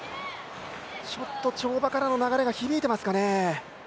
ちょっと跳馬からの流れが響いていますかね？